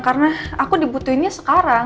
karena aku dibutuhinnya sekarang